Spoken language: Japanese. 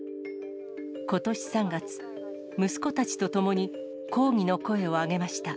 ことし３月、息子たちと共に抗議の声を上げました。